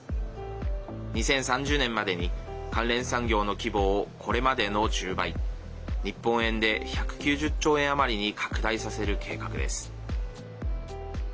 ２０３０年までに関連産業の規模をこれまでの１０倍日本円で１９０兆円余りに拡大させる計画です。